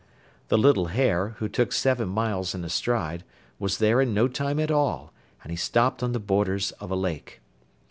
The little hare, who took seven miles in a stride, was there in no time at all, and he stopped on the borders of a lake.